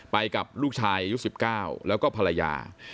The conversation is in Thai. ไปกับลูกชายอายุ๑๙แล้วก็ภรรยา